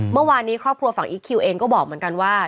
เมื่อวานนี้ครอบครัวฝั่งอีคคิวเองก็บอกเหมือนกันว่า